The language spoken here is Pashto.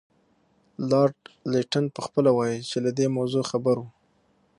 لارډ لیټن پخپله وایي چې له دې موضوع خبر وو.